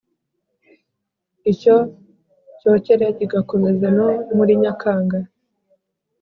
icyo cyokere kigakomeza no muri nyakanga